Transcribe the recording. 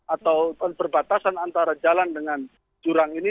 atau perbatasan antara jalan dengan jurang ini